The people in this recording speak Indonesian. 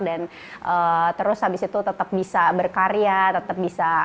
dan terus habis itu tetap bisa berkarya tetap bisa